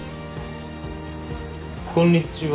・こんにちは。